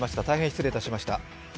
大変失礼しました。